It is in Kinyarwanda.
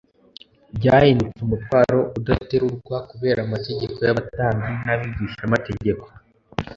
ryahindutse umutwaro udaterurwa kubera amategeko y'abatambyi n'abigishamategeko.